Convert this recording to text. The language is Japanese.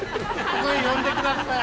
ここへ呼んでください。